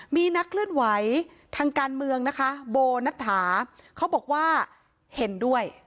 มีนักเคลื่อนไหวทางการเมืองนะคะโบนัฐาเขาบอกว่าเห็นด้วย